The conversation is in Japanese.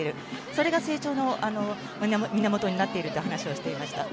それが成長の源になっていると話しをしていました。